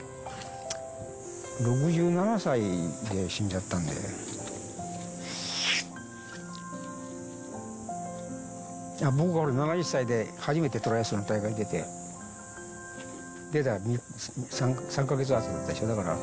６７歳で死んじゃったんで、僕は７０歳で初めてトライアスロンの大会出て、出た３か月あとだったでしょう。